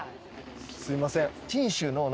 すいません。